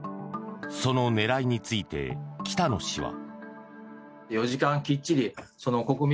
その狙いについて北野氏は。